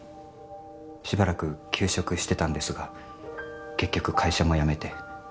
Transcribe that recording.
しばらく休職してたんですが結局会社も辞めて。